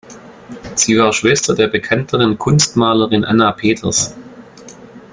Sie war Schwester der bekannteren Kunstmalerin Anna Peters.